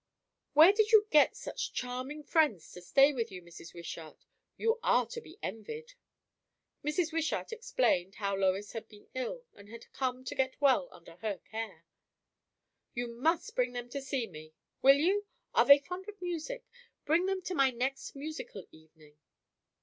"Where did you get such charming friends to stay with you, Mrs. Wishart? You are to be envied." Mrs. Wishart explained, how Lois had been ill, and had come to get well under her care. "You must bring them to see me. Will you? Are they fond of music? Bring them to my next musical evening."